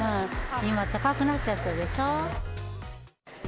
今、高くなっちゃったでしょ。